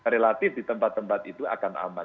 relatif di tempat tempat itu akan aman